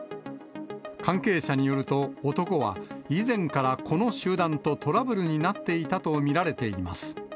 関係者によると、男は以前からこの集団とトラブルになっていたと見られています。